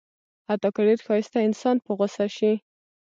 حتی که ډېر ښایسته انسان په غوسه شي.